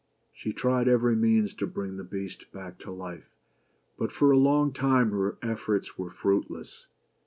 She tried every means to bring the Beast back to life, but for a long time her efforts were fruitless.